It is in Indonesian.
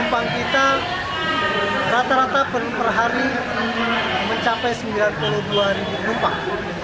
pertama hari mencapai sembilan puluh dua penumpang